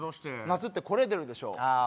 夏ってこれ出るでしょあ